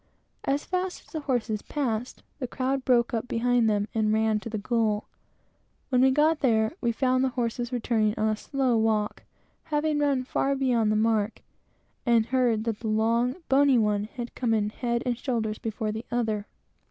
As fast as the horses passed, the crowd broke up behind them, and ran to the goal. When we got there, we found the horses returning on a slow walk, having run far beyond the mark, and heard that the long, bony one had come in head and shoulders before the other.